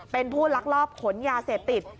เป็นผู้ลักลอบขนยาเสพติด